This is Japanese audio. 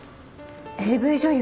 ＡＶ女優？